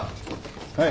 はい。